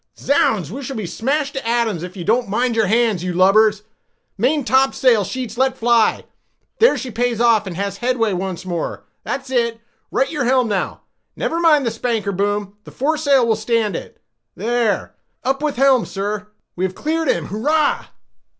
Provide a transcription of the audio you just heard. Zounds! we shall be smashed to atoms if you don't mind your hands, you lubbers—main topsail sheets let fly—there she pays off, and has headway once more, that's it—right your helm now—never mind his spanker boom, the fore stay will stand it—there—up with helm, sir—we have cleared him—hurrah!"